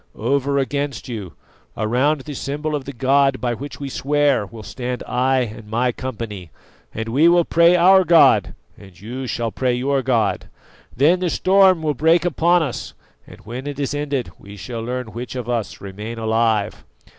Over against you, around the symbol of the god by which we swear, will stand I and my company, and we will pray our god and you shall pray your God. Then the storm will break upon us, and when it is ended we shall learn which of us remain alive.